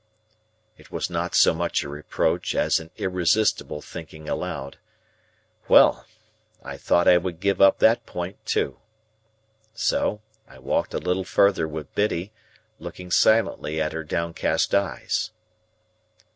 It was not so much a reproach as an irresistible thinking aloud. Well! I thought I would give up that point too. So, I walked a little further with Biddy, looking silently at her downcast eyes.